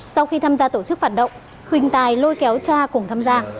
sau khi tham gia tổ chức phản động huỳnh tài lôi kéo cha cùng tham gia